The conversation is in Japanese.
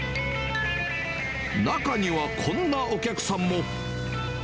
中にはこんなお客さんも。